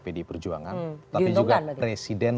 pdi perjuangan diuntungkan berarti tapi juga presiden